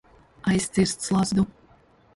Aizcirst slazdu.